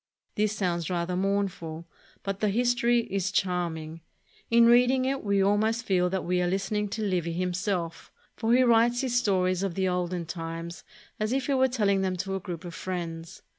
This sounds rather mournful, but the history is charming. In reading it we almost feel that we are lis tening to Livy himself, for he writes his stories of the olden times as if he were telling them to a group of friends.